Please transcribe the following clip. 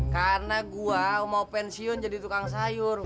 karena gue mau pensiun jadi tukang sayur